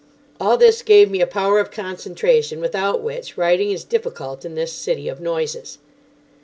All this gave me a power of concentration, without which writing is difficult in this city of noises.